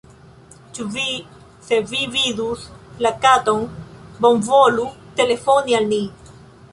Ĉu vi... se vi vidus la katon, bonvolu telefoni al ni."